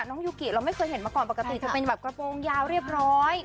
ยูกิเราไม่เคยเห็นมาก่อนปกติจะเป็นแบบกระโปรงยาวเรียบร้อย